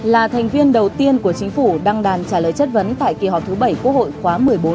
là thành viên đầu tiên của chính phủ đăng đàn trả lời chất vấn tại kỳ họp thứ bảy quốc hội khóa một mươi bốn